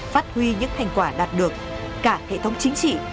phát huy những thành quả đạt được cả hệ thống chính trị